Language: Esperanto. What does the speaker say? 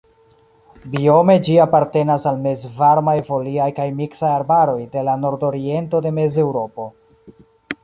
Biome ĝi apartenas al mezvarmaj foliaj kaj miksaj arbaroj de la nordoriento de Mezeŭropo.